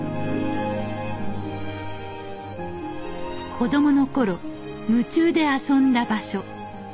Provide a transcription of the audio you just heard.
子どもの頃夢中で遊んだ場所。